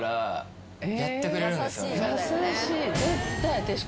優しい。